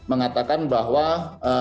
yang mengatakan bahwa dalam peradilan militer